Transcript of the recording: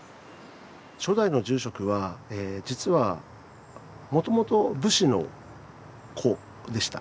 初代の住職は実はもともと武士の子でした。